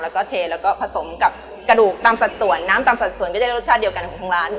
แล้วก็เทแล้วก็ผสมกับกระดูกตามสัดส่วนน้ำตามสัดส่วนก็จะได้รสชาติเดียวกันของทางร้าน